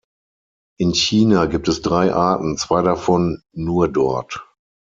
In China gibt es drei Arten, zwei davon nur dort.